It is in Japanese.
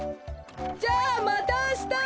じゃあまたあした！